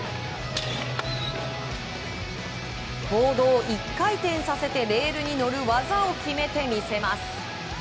ボードを１回転させて、レールに乗る技を決めてみせます。